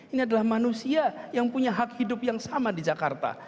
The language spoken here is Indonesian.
ini adalah manusia yang punya hak hidup yang sama di jakarta